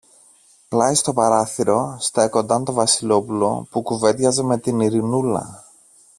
Πλάι στο παράθυρο στέκονταν το Βασιλόπουλο που κουβέντιαζε με την Ειρηνούλα